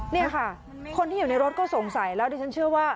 นี่ค่ะคนที่อยู่ในรถก็สงสัยแล้วดิฉันเชื่อว่า